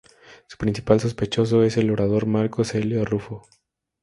Su principal sospechoso es el orador Marco Celio Rufo.